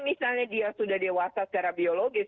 misalnya dia sudah dewasa secara biologis